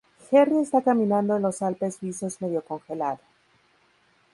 Jerry está caminando en los Alpes Suizos medio congelado.